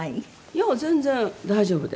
いや全然大丈夫です。